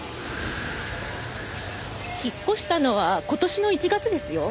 引っ越したのは今年の１月ですよ。